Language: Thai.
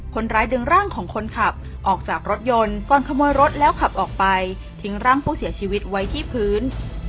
คนร้ายดึงร่างของคนขับออกจากรถยนต์ก่อนขโมยรถแล้วขับออกไปทิ้งร่างผู้เสียชีวิตไว้ที่พื้น